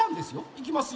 いきますよ！